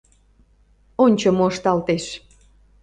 — Ончо, мо ышталтеш!